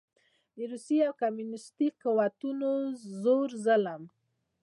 د روسي او کميونسټو قوتونو زور ظلم